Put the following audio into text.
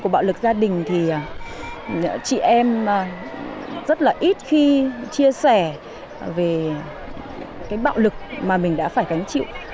bạo lực gia đình thì chị em rất là ít khi chia sẻ về cái bạo lực mà mình đã phải gánh chịu